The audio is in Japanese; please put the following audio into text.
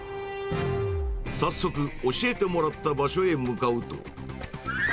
早速、教えてもらった場所へ向かうと。